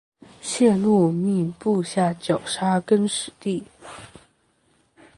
谢禄命部下绞杀更始帝。